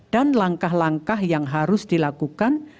dan langkah langkah yang harus dilakukan